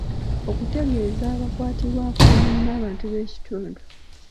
Okutegeezanga abakwatibwako omuli n'abantu b'ekitundu.